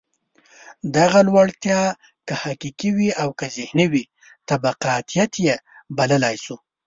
دغه لوړتیا که حقیقي وي او که ذهني وي، طبقاتيت یې بللای شو.